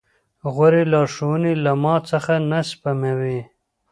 غورې لارښوونې له ما څخه نه سپموي.